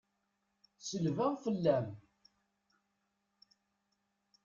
Selbeɣ fell-am.